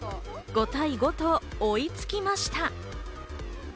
５対５と追いつきました。